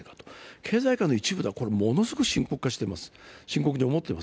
経済界の一部ではこれ、ものすごく深刻に思っています。